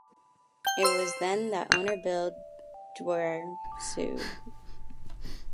It was then that owner Bill Dwyer sued.